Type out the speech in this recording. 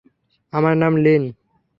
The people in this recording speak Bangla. আমার নাম লিন।